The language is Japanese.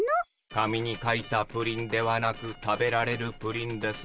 「紙に書いたプリンではなく食べられるプリン」ですね？